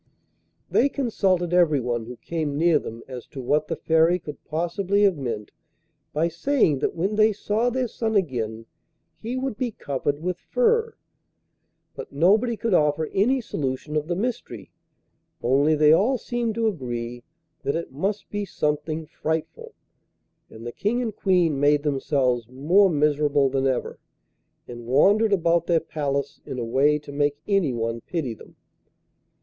They consulted everyone who came near them as to what the Fairy could possibly have meant by saying that when they saw their son again he would be covered with fur. But nobody could offer any solution of the mystery, only they all seemed to agree that it must be something frightful, and the King and Queen made themselves more miserable than ever, and wandered about their palace in a way to make anyone pity them.